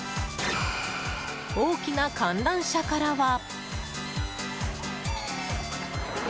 大きな観覧車からは。